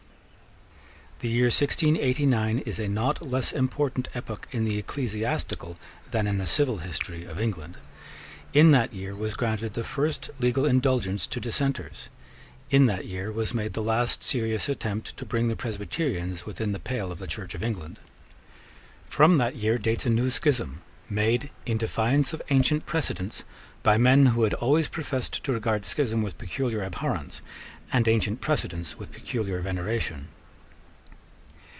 The year 1689 is a not less important epoch in the ecclesiastical than in the civil history of England. In that year was granted the first legal indulgence to Dissenters. In that year was made the last serious attempt to bring the Presbyterians within the pale of the Church of England. From that year dates a new schism, made, in defiance of ancient precedents, by men who had always professed to regard schism with peculiar abhorrence, and ancient precedents with peculiar veneration.